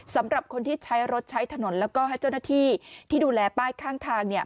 สำหรับคนที่ใช้รถใช้ถนนแล้วก็ให้เจ้าหน้าที่ที่ดูแลป้ายข้างทางเนี่ย